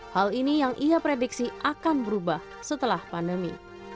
hal ini yang ia prediksi akan berubah setelah pandemi